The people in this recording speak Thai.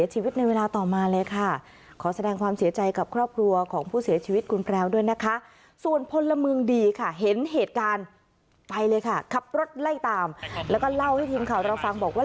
เหตุการณ์ไปเลยค่ะขับรถไล่ตามแล้วก็เล่าให้ทีมข่าวเราฟังบอกว่า